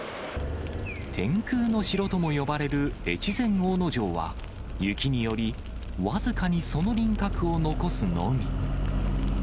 天空の城とも呼ばれる越前大野城は、雪により、僅かにその輪郭を残すのみ。